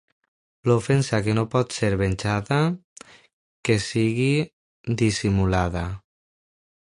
L'ofensa que no pot ser venjada, que sigui dissimulada.